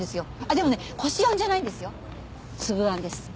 でもねこしあんじゃないんですよ粒あんです。